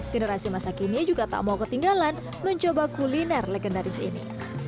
generasi masa kini juga tak mau ketinggalan mencoba kuliner legendaris ini